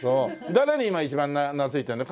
誰に今一番懐いてるの？